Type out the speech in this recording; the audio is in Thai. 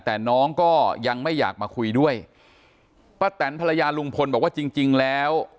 แต่น้องก็ยังไม่อยากมาคุยด้วยป้าแตนภรรยาลุงพลบอกว่าจริงจริงแล้ว